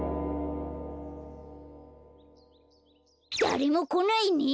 だれもこないね。